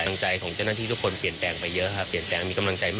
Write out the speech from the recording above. กำลังใจของเจ้าหน้าที่ทุกคนเปลี่ยนแปลงไปเยอะิ